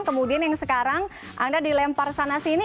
kemudian yang sekarang anda dilempar sana sini